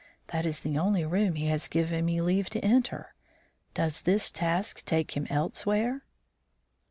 "That is the only room he has given me leave to enter. Does his task take him elsewhere?"